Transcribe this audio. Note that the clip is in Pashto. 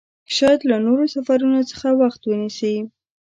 شاید له نورو سفرونو څخه وخت ونیسي.